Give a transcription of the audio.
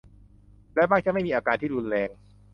และมักจะไม่มีอาการที่รุนแรง